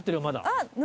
まだ。